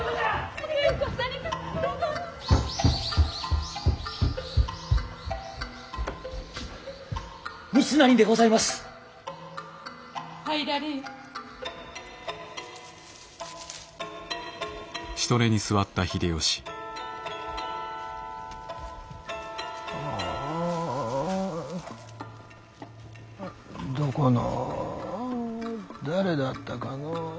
あどこの誰だったかのう。